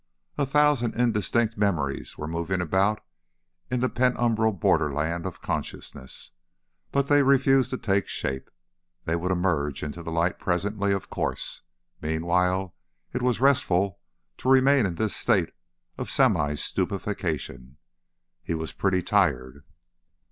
A thousand indistinct memories were moving about in the penumbral borderland of consciousness, but they refused to take shape. They would emerge into the light presently, of course. Meanwhile, it was restful to remain in this state of semi stupefaction. He was pretty tired.